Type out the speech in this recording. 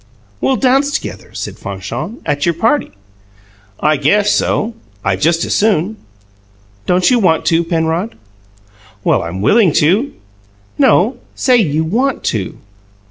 "We'll dance together," said Fanchon, "at your party." "I guess so. I just as soon." "Don't you want to, Penrod?" "Well, I'm willing to." "No. Say you WANT to!"